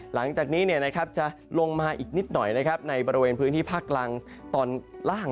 หลังจากนี้จะลงมาอีกนิดหน่อยในบริเวณพื้นที่ภาคกลางตอนล่าง